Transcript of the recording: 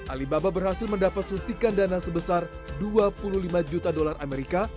alibaba berhasil mendapat suntikan dana sebesar dua puluh lima juta dolar amerika